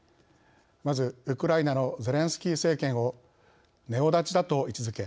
まず、ウクライナのゼレンスキー政権をネオナチだと位置づけ